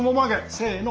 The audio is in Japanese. せの！